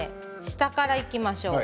下からいきましょう。